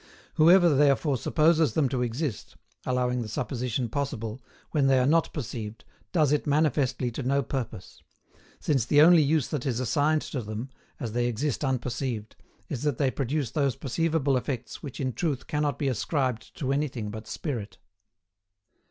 Whoever therefore supposes them to exist (allowing the supposition possible) when they are not perceived does it manifestly to no purpose; since the only use that is assigned to them, as they exist unperceived, is that they produce those perceivable effects which in truth cannot be ascribed to anything but Spirit.